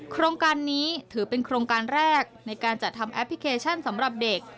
โครงการนี้ถือเป็นโครงการแรกในการจัดทำแอปพลิเคชันสำหรับเด็ก